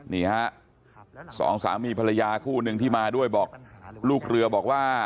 นี่ฮะสองสามีภรรยาคู่หนึ่งที่มาด้วยบอกลูกเรือบอกว่า